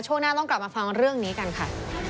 ช่วงหน้าต้องกลับมาฟังเรื่องนี้กันค่ะ